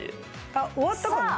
あっ終わったかな？